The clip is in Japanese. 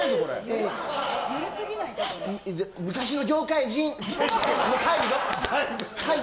昔の業界人。